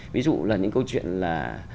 ví dụ là những câu chuyện là